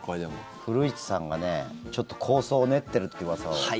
古市さんがね、ちょっと構想を練っているといううわさを。